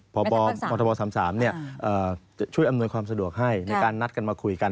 พบ๓๓ช่วยอำนวยความสะดวกให้ในการนัดกันมาคุยกัน